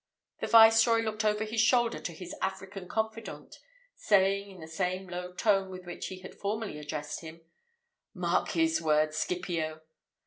The viceroy looked over his shoulder to his African confidant, saying, in the same low tone with which he had formerly addressed him, "Mark his words, Scipio!"